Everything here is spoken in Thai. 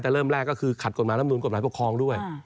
แต่เริ่มแรกก็คือขัดกฎหมายรัฐมนุนกฎหมายปกครองด้วย